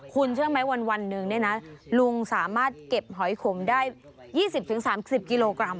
คุณเชื่อไหมวันหนึ่งเนี่ยนะลุงสามารถเก็บหอยขมได้๒๐๓๐กิโลกรัม